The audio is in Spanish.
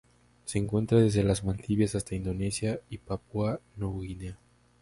Se encuentra desde las Maldivas hasta Indonesia y Papúa Nueva Guinea.